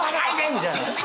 みたいな。